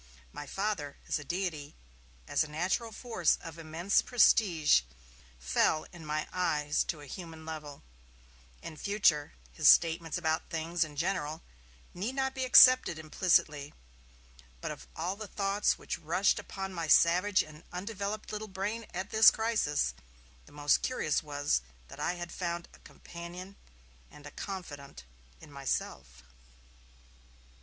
My Father, as a deity, as a natural force of immense prestige, fell in my eyes to a human level. In future, his statements about things in general need not be accepted implicitly. But of all the thoughts which rushed upon my savage and undeveloped little brain at this crisis, the most curious was that I had found a companion and a confidant in myself.